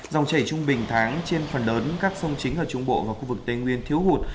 dòng chảy trung bình tháng trên phần lớn các sông chính ở trung bộ và khu vực tây nguyên thiếu hụt